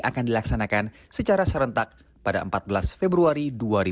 akan dilaksanakan secara serentak pada empat belas februari dua ribu dua puluh